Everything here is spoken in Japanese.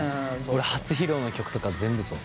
俺初披露の曲とか全部そう。